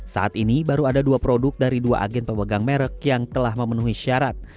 saat ini baru ada dua produk dari dua agen pemegang merek yang telah memenuhi syarat